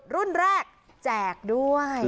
รุ่นแรกแจกด้วย